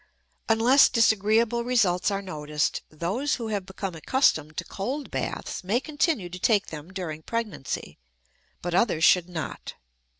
Unless disagreeable results are noticed, those who have become accustomed to cold baths may continue to take them during pregnancy, but others should not.